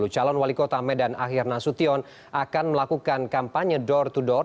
calon wali kota medan akhir nasution akan melakukan kampanye door to door